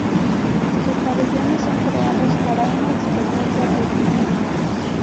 Sus pabellones son creados para una experiencia pública.